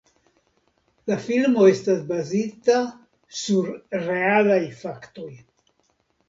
La filmo estas bazita sur realaj faktoj.